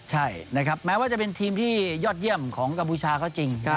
ใช่นะครับแม้ว่าจะเป็นทีมที่ยอดเยี่ยมของกัมพูชาเขาจริง